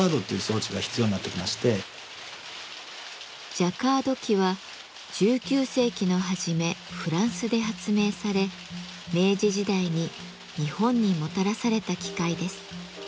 ジャカード機は１９世紀の初めフランスで発明され明治時代に日本にもたらされた機械です。